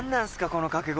この掛け声。